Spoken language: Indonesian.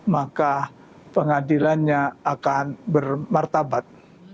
maka pengadilannya akan bermartabat